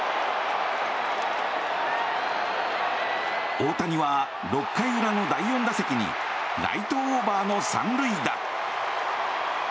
大谷は６回裏の第４打席にライトオーバーの３塁打。